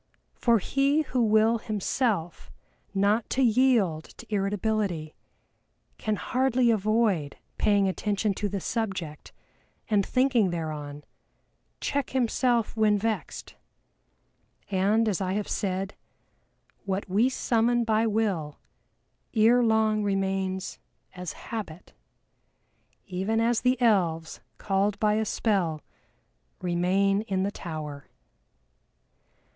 For he who will himself not to yield to irritability, can hardly avoid paying attention to the subject, and thinking thereon, check himself when vexed. And as I have said, what we summon by Will ere long remains as Habit, even as the Elves, called by a spell, remain in the Tower.